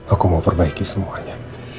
aku mau perbaiki semuanya